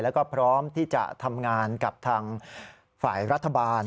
แล้วก็พร้อมที่จะทำงานกับทางฝ่ายรัฐบาล